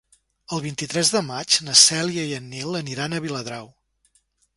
El vint-i-tres de maig na Cèlia i en Nil aniran a Viladrau.